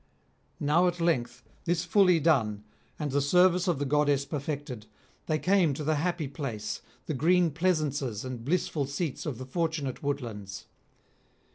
Now at length, this fully done, and the service of the goddess perfected, they came to the happy place, the green pleasances and blissful seats of the Fortunate Woodlands.